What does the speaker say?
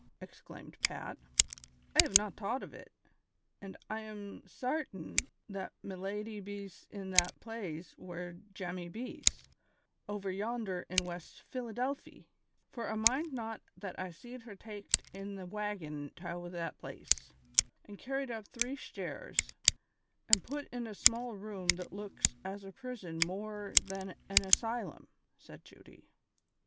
exclaimed Pat. "I have not tought ov it, an' I am sartin that me lady bees in that plaze where Jemmy bees, ovur yander in "West Philadelphy, fur I mind now that I seed her taked in the waggon tow that plaze, an' carried up tree shtares, an' put in a small room what Inks as a prison morer than an asj'lum," said Judy.